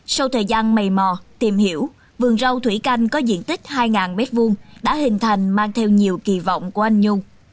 sau thời gian mầy mò tìm hiểu vườn rau thủy canh có diện tích hai m hai đã hình thành mang theo nhiều kỳ vọng của anh nhung